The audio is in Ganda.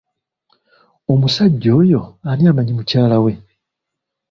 Omusajja oyo ani amanyi mukyala we?